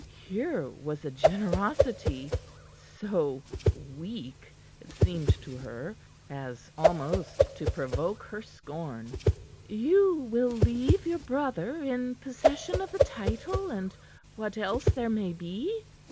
Here was a generosity so weak, it seemed to her, as almost to provoke her scorn. "You will leave your brother in possession of the title and what else there may be?"